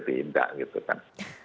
tidak gitu kan